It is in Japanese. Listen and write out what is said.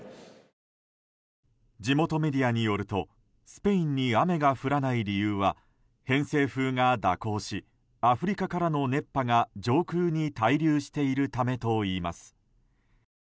地元メディアによるとスペインに雨が降らない理由は偏西風が蛇行しアフリカからの熱波が上空に滞留しているためといいます。